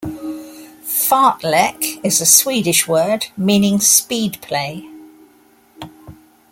Fartlek is a Swedish word, meaning speed play.